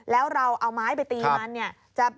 แล้วเราเอาไม้ไปตีมัน